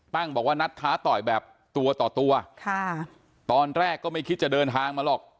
บอกว่านัดท้าต่อยแบบตัวต่อตัวค่ะตอนแรกก็ไม่คิดจะเดินทางมาหรอก